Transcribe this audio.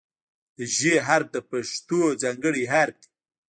د "ژ" حرف د پښتو ځانګړی حرف دی.